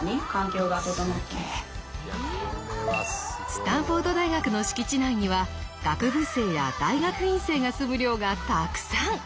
スタンフォード大学の敷地内には学部生や大学院生が住む寮がたくさん。